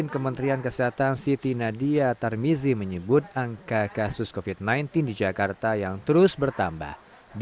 kementerian kesehatan siti nadia tarmizi menyebut angka kasus covid sembilan belas di jakarta yang terus bertambah